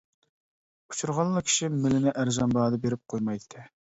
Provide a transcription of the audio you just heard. ئۇچرىغانلا كىشى مېلىنى ئەرزان باھادا بېرىپ قويمايتتى.